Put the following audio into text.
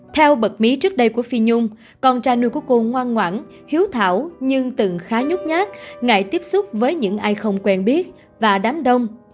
theo bật mí trước đây của phi nhung con trai nuôi của cô ngoan ngoãn hiếu thảo nhưng từng khá nhúc nhát ngại tiếp xúc với những ai không quen biết và đám đông